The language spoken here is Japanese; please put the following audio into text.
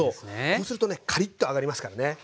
そうするとねカリッと揚がりますからね。